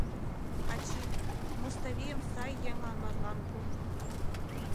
Ачий, Муставийым сай еҥлан марлан пу.